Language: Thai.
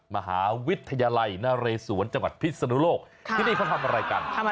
มหาวิทยาลัยนเรศวรจังหวัดพิศนุโลกที่นี่เขาทำอะไรกัน